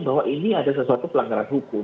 bahwa ini ada sesuatu pelanggaran hukum